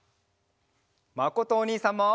まことおにいさんも！